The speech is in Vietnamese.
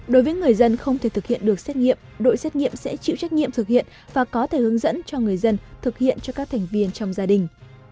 đối với người dân không thể thực hiện được xét nghiệm đội xét nghiệm sẽ chịu trách nhiệm thực hiện và có thể hướng dẫn cho người dân thực hiện cho các thành viên trong gia đình